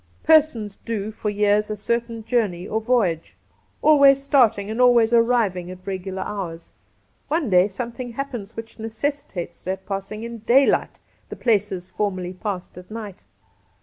Persons do for years a certain journey or voyage, always starting and always arriving at regular hours. One day something happens which necessitates their pass ing in daylight the places formerly passed at night.